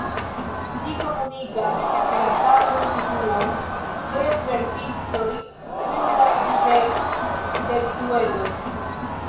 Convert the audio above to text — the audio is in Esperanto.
Ĝi komunigas la saman situon de verticoj kun la dudek-dekduedro.